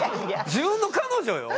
自分の彼女よ。